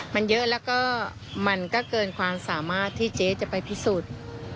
มันเยอะแล้วก็มันก็เกินความสามารถที่เจ๊จะไปพิสูจน์